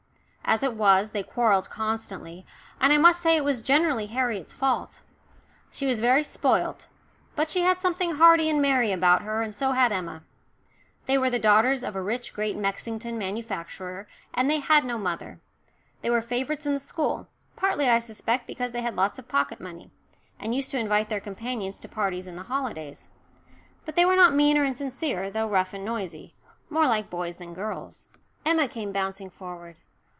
As it was, they quarrelled constantly, and I must say it was generally Harriet's fault. She was very spoilt, but she had something hearty and merry about her, and so had Emma. They were the daughters of a rich Great Mexington manufacturer, and they had no mother. They were favourites in the school, partly I suspect because they had lots of pocket money, and used to invite their companions to parties in the holidays. But they were not mean or insincere, though rough and noisy more like boys than girls. Emma came bouncing forward.